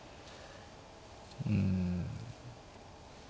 うん。